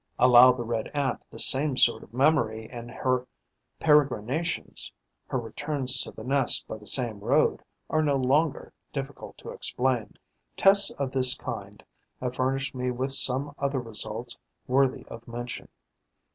Allow the Red Ant the same sort of memory; and her peregrinations, her returns to the nest by the same road are no longer difficult to explain. Tests of this kind have furnished me with some other results worthy of mention.